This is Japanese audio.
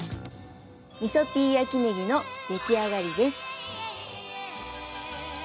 みそピー焼きねぎのできあがりです。